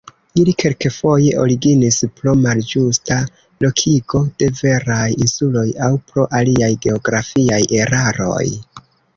Ili kelkfoje originis pro malĝusta lokigo de veraj insuloj, aŭ pro aliaj geografiaj eraroj.